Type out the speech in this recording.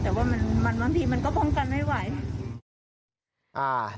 แต่มีบางทีก็ป้องกันไม่ไหว